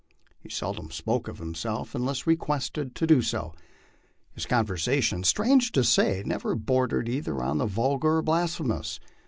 He seldom spoke of himself unless requested to do so. His conversation, strange to say, never bordered either on the vulgar or blasphemous.